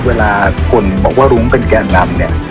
เวลาคนบอกว่ารุ้งเป็นแก่นำเนี่ย